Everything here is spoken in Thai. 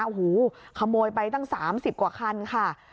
โอ้โหขโมยไปตั้ง๓๐กว่าคันค่ะ